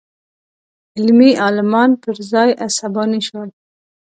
علمي عالمان پر ځای عصباني شول.